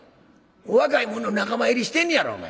若い者の仲間入りしてんねやろお前。